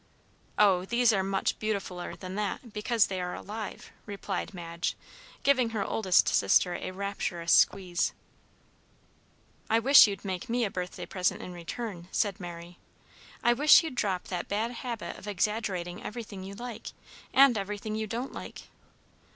"Oh, these are much beautifuller than that, because they are alive," replied Madge, giving her oldest sister a rapturous squeeze. "I wish you'd make me a birthday present in return," said Mary. "I wish you'd drop that bad habit of exaggerating everything you like, and everything you don't like.